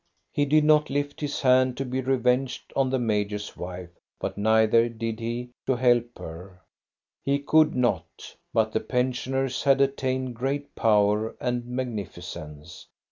He did not lift his hand to be revenged on the major's wife, but neither did he to help her. He could not. But the pensioners had attained great power and magnificence.